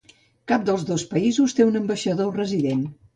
Cap dels dos països té un ambaixador resident.